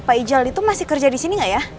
pak ijal itu masih kerja disini gak ya